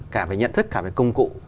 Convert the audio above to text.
cả về nhận thức cả về công cụ